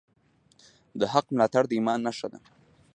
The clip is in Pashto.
د حق ملاتړ د ایمان نښه ده.